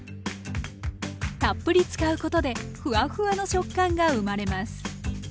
たっぷり使うことでふわふわの食感が生まれます。